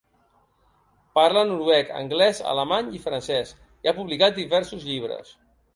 Parla noruec, anglès, alemany i francès, i ha publicat diversos llibres.